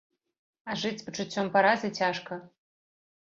А жыць з пачуццём паразы цяжка.